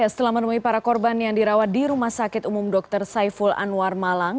setelah menemui para korban yang dirawat di rumah sakit umum dr saiful anwar malang